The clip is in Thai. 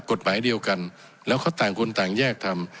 กฎหมายเดียวกันแล้วเขาต่างคนต่างแยกทำ